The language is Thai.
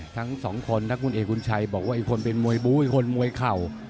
ทั้งสองคนถ้าคุณเอกบุญชัยบอกว่าอีกคนเป็นมวยบู้อีกคนมวยเข่า